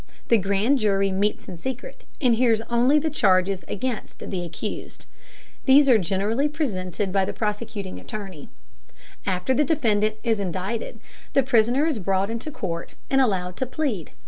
The grand jury meets in secret, and hears only the charges against the accused. These are generally presented by the prosecuting attorney. After the defendant is indicted, the prisoner is brought into court and allowed to plead.